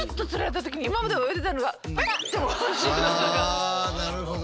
あなるほど。